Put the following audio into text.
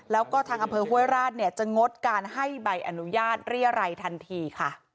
แล้วก็ทางอำเภอห้วยราชเนี่ยจะงดการให้ใบอนุญาตเรียรัยทันทีค่ะ